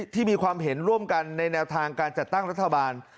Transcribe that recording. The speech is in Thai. ที่มีความเห็นร่วมกันในแนวทางการจัดตั้งรัฐบาล